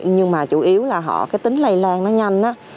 nhưng mà chủ yếu là họ tính lây lan nhanh